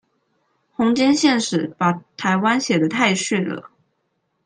弘兼憲史把台灣寫得太遜了